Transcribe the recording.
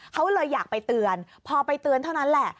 เขาเลยอยากไปเตือนพอไปเตือนเท่านั้นแหละ